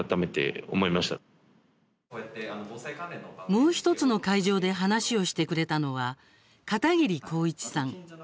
もう１つの会場で話をしてくれたのは片桐浩一さん。